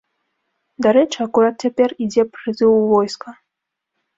Дарэчы, акурат цяпер ідзе прызыў у войска.